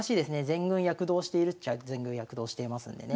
全軍躍動しているっちゃ全軍躍動していますんでね。